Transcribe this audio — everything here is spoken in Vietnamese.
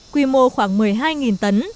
quy mô khoảng một mươi hai tấn